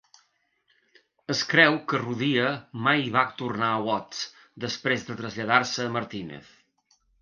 Es creu que Rodia mai va tornar a Watts després de traslladar-se a Martinez.